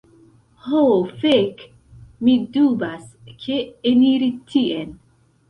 Ho fek' mi dubas, ke eniri tien